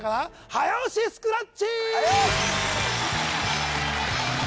早押しスクラッチはいよ！